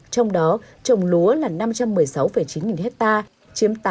trong đó trồng lúa là năm trăm một mươi sáu chín hectare